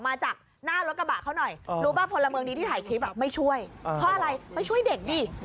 มาจากหน้ารถกระบาเขาหน่อยโอเพราะอะไรช่วยเด็กดิอ๋อ